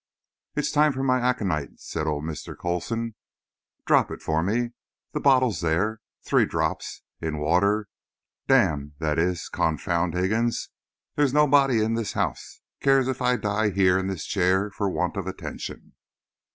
"It's time for my aconite," said old Mr. Coulson. "Drop it for me. The bottle's there. Three drops. In water. D–––– that is, confound Higgins! There's nobody in this house cares if I die here in this chair for want of attention."